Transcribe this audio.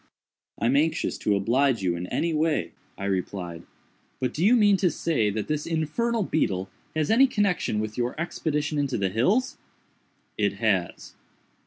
"I am anxious to oblige you in any way," I replied; "but do you mean to say that this infernal beetle has any connection with your expedition into the hills?" "It has."